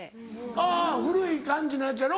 あぁ古い感じのやつやろ？